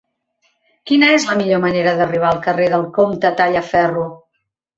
Quina és la millor manera d'arribar al carrer del Comte Tallaferro?